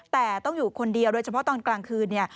แต่ต้องอยู่คนเดียวโดยเฉพาะตอนกลางคืนเนี่ย